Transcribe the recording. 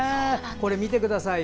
これ、見てください。